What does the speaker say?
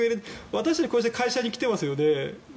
私もこうやって会社に来ていますよね。